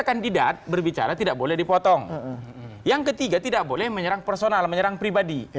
kandidat berbicara tidak boleh dipotong yang ketiga tidak boleh menyerang personal menyerang pribadi